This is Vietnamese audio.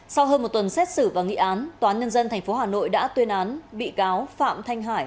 sau hơn một tuần xét xử và nghị án tòa án nhân dân tp hà nội đã tuyên án bị cáo phạm thanh hải